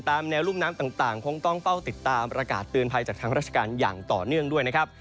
แนวรุ่มน้ำต่างคงต้องเฝ้าติดตามประกาศเตือนภัยจากทางราชการอย่างต่อเนื่องด้วยนะครับ